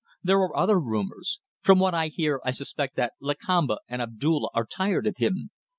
There are other rumours. From what I hear I suspect that Lakamba and Abdulla are tired of him.